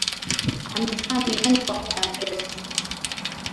Amevaa miwani kwa muda mrefu.